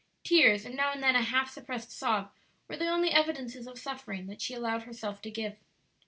Tears and now and then a half suppressed sob were the only evidences of suffering that she allowed herself to give.